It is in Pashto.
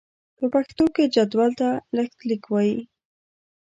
په پښتو کې جدول ته لښتليک وايي.